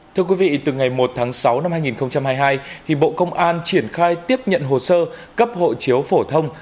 thưa quý vị từ ngày một tháng sáu năm hai nghìn hai mươi hai bộ công an triển khai tiếp nhận hồ sơ cấp hộ chiếu phổ thông